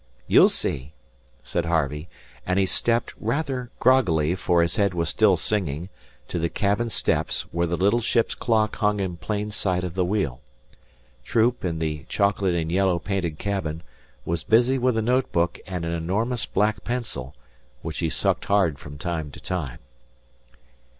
"You'll see," said Harvey, and he stepped, rather groggily, for his head was still singing, to the cabin steps where the little ship's clock hung in plain sight of the wheel. Troop, in the chocolate and yellow painted cabin, was busy with a note book and an enormous black pencil which he sucked hard from time to time.